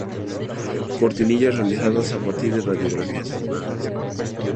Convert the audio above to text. Cortinillas realizadas a partir de radiografías animadas.